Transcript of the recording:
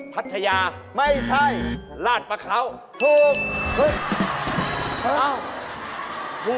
พัทยาไม่ใช่ราชประเคราะห์ถูกโอ๊ย